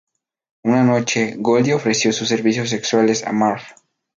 Una noche, Goldie ofreció sus servicios sexuales a Marv.